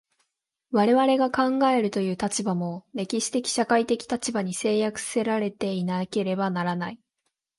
我々が考えるという立場も、歴史的社会的立場に制約せられていなければならない。